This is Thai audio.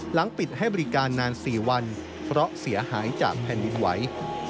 หลังปิดให้บริการนาน๔วันเพราะเสียหายจากแผ่นดินไหว